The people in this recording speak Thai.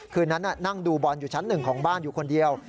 คืนนั้นนั่งดูบอลอยู่ชั้นหนึ่งของบ้านอยู่คนเดียว